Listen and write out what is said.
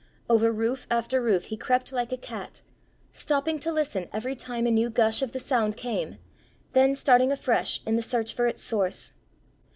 Over roof after roof he crept like a cat, stopping to listen every time a new gush of the sound came, then starting afresh in the search for its source.